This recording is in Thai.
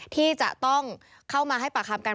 ที่จะต้องเข้ามาให้ปากคำกัน